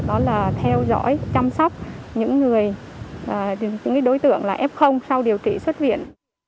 đó là theo dõi chăm sóc những đối tượng là f sau điều trị xuất viện